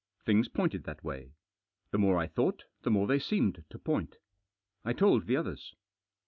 Things pointed that way. The more I thought, the more they seemed to point. I told the others.